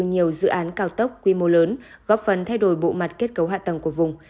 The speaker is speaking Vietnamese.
nhiều dự án cao tốc quy mô lớn góp phần thay đổi bộ mặt kết cấu hạ tầng của vùng